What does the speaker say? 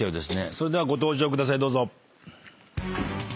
それではご登場ください。